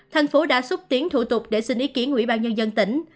thành phố đã xúc tiến thủ tục để xin ý kiến ủy ban nhân dân tỉnh